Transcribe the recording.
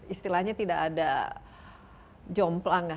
istilahnya tidak ada jomplang